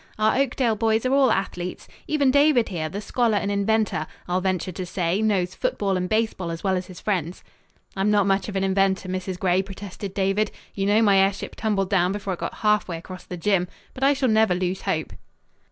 "Our Oakdale boys are all athletes. Even David here, the scholar and inventor, I'll venture to say, knows football and baseball as well as his friends." "I'm not much of an inventor, Mrs. Gray," protested David. "You know my airship tumbled down before it got half way across the gym. But I shall never lose hope."